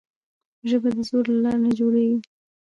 ژبه د زور له لارې نه جوړېږي.